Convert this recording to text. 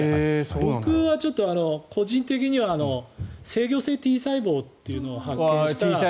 僕は個人的には制御性Ｔ細胞っていうのを発見した。